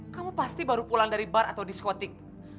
kamu pasti baru pulang dari bar atau diskotik